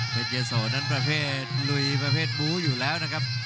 เป็นเยโสนั้นประเภทลุยประเภทบู้อยู่แล้วนะครับ